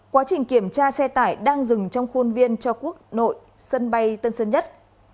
quá trình kiểm tra xe tải đang dừng trong khuôn viên cho quốc nội sân bay tân sơn nhất